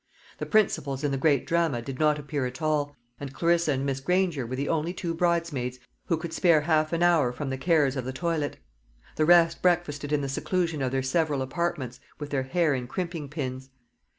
The principals in the great drama did not appear at all, and Clarissa and Miss Granger were the only two bridesmaids who could spare half an hour from the cares of the toilet. The rest breakfasted in the seclusion of their several apartments, with their hair in crimping pins.